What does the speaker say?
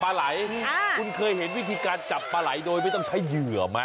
ไหลคุณเคยเห็นวิธีการจับปลาไหลโดยไม่ต้องใช้เหยื่อไหม